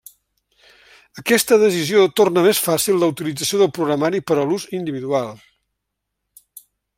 Aquesta decisió torna més fàcil la utilització del programari per a l'ús individual.